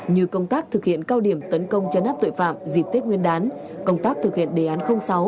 như công tác thực hiện cao điểm tấn công chấn áp tội phạm dịp tết nguyên đán công tác thực hiện đề án sáu